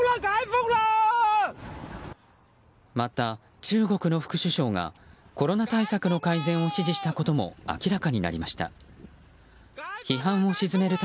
また、中国の副首相がコロナ対策の改善を指示したことも明らかになりました。